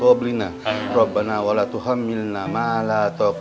udah jangan merik